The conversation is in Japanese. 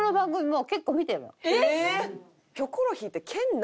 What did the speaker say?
えっ！？